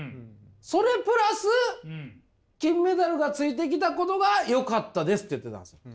それプラス金メダルがついてきたことがよかったです」って言ってたんですよ。